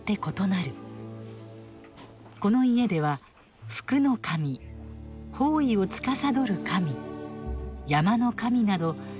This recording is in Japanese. この家では福の神方位をつかさどる神山の神など１４の神々を祀る。